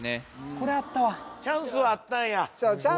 これあったわそうチャンスはあったんだよね